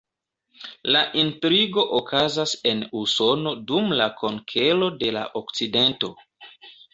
La intrigo okazas en Usono dum la konkero de la okcidento.